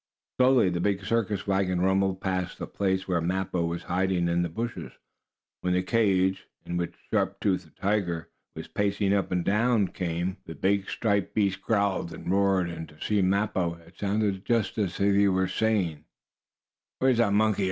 Slowly the big circus wagons rumbled past the place where Mappo was hiding in the bushes. When the cage, in which Sharp Tooth, the tiger, was pacing up and down, came along, the big striped beast growled and roared, and to Mappo it sounded just as if he were saying: "Where's that monkey?